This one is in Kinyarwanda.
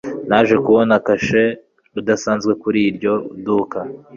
Naje kubona kashe idasanzwe kuri iryo duka